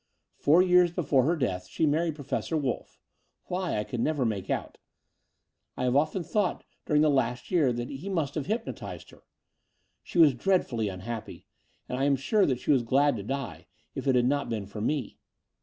Four years before her death she married Professor Wolff — ^why I could never make out. I have often thought during the last year that he must have hj^notized her. She was dreadfully unhappy; and I am sure that she was glad to die, if it had not been for me.